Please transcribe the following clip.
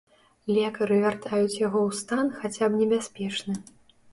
Лекары вяртаюць яго ў стан хаця б небяспечны.